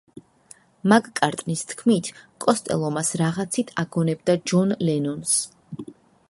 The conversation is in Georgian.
მაკ-კარტნის თქმით, კოსტელო მას რაღაცით აგონებდა ჯონ ლენონს.